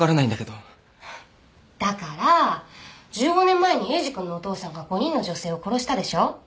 １５年前にエイジ君のお父さんが５人の女性を殺したでしょ。